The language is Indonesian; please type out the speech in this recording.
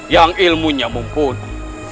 yang ilmunya mumpuni